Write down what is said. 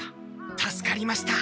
助かりました。